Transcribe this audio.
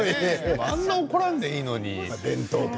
あんなに怒らんでもいいのに。